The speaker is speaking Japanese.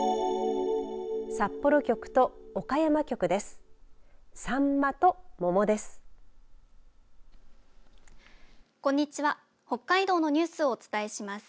札幌局と岡山局です。